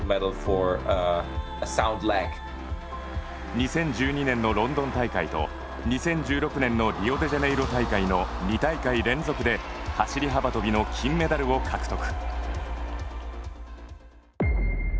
２０１２年のロンドン大会と２０１６年のリオデジャネイロ大会の２大会連続で走り幅跳びの金メダルを獲得。